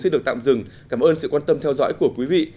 xin được tạm dừng cảm ơn sự quan tâm theo dõi của quý vị